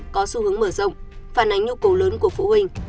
có xu hướng mở rộng phản ánh nhu cầu lớn của phụ huynh